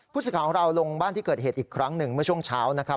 พุศิฆาของเราลงบ้านที่เกิดเหตุอีกครั้งนึงเมื่อช่วงเช้า